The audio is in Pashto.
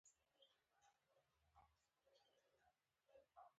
ژوندي له خفګانه زده کړه کوي